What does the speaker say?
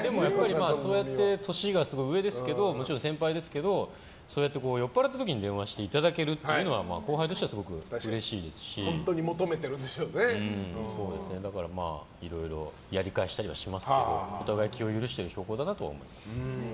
そうやって年がすごい上でもちろん先輩ですけどそうやって酔っぱらった時に電話していただけるというのは後輩としてはすごくうれしいですしだから、いろいろやり返したりもしますけどお互い気を許してる証拠だなと思います。